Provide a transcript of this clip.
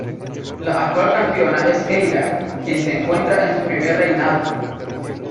La actual campeona es Keira, quien se encuentra en su primer reinado.